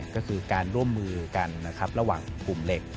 ก็คือการร่วมมือกันระหว่างกลุ่มเล็ก